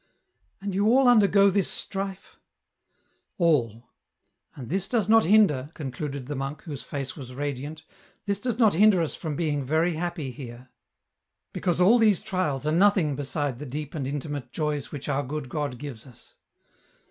" And you all undergo this strife ?"" All ; and this does not hinder," concluded the monk, whose face was radiant, " this does not hinder us from being very happy here. " Because all these trials are nothing beside the deep and intimate joys which our good God gives us.